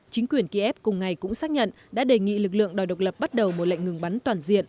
chính quyền kiev cùng ngày cũng xác nhận đã đề nghị lực lượng đòi độc lập bắt đầu một lệnh ngừng bắn toàn diện